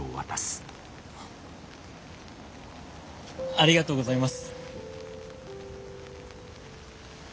ありがとうございます！